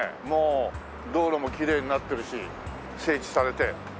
もう道路もきれいになってるし整地されて。